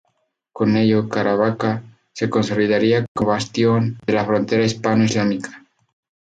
Con ello, Caravaca se consolidaría como bastión de la frontera hispano-islámica.